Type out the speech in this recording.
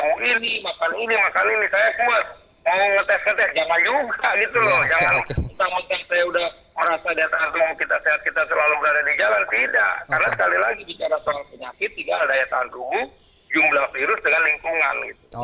karena sekali lagi bicara soal penyakit tiga ada daya tahan tubuh jumlah virus dengan lingkungan gitu